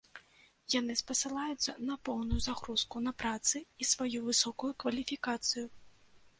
Яны спасылаюцца на поўную загрузку на працы і сваю высокую кваліфікацыю.